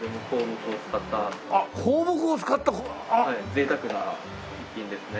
贅沢な逸品ですね。